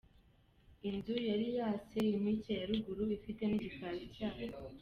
Inzu yari yase inkike ya ruguru, ifite n’igikari cyayo.